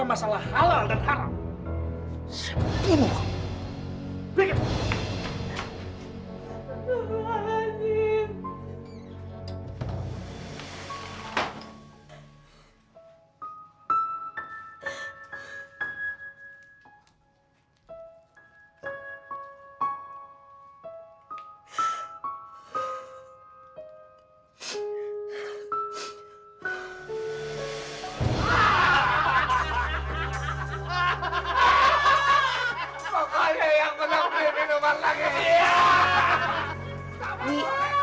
masih ada syarat lain lagi